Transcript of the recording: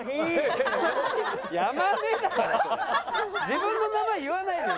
自分の名前言わないのよ